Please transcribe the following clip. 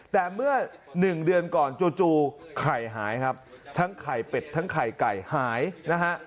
แต่เมื่อหนึ่งเดือนก่อนจู่ไข่หายครับทั้งไข่เป็ดทั้งไข่ไก่หายนะฮะ